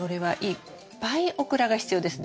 いっぱいオクラが必要なんです。